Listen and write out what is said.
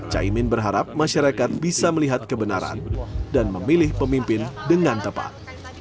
caimin berharap masyarakat bisa melihat kebenaran dan memilih pemimpin dengan tepat